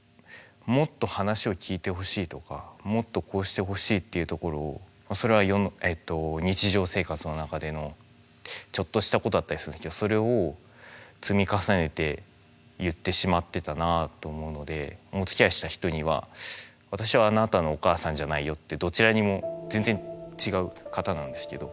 もっと話を聞いてほしいとかもっとこうしてほしいっていうところをそれは日常生活の中でのちょっとしたことだったりするんですけどそれを積み重ねて言ってしまってたなあと思うのでおつきあいした人にはってどちらにも全然違う方なんですけど。